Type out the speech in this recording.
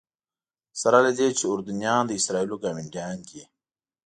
سره له دې چې اردنیان د اسرائیلو ګاونډیان دي.